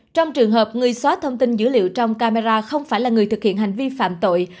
trong trường hợp người xóa thông tin dữ liệu trong camera không phải là người thực hiện hành vi phạm tội